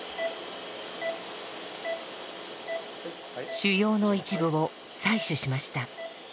腫ようの一部を採取しました。